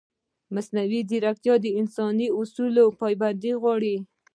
مصنوعي ځیرکتیا د انساني اصولو پابندي غواړي.